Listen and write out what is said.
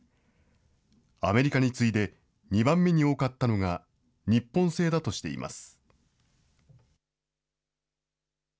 アメリカに次いで、２番目に多かったのが、日本製だとしています。